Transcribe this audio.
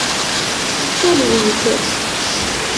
Talwit.